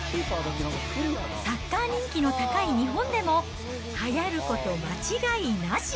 サッカー人気の高い日本でも、はやること間違いなし。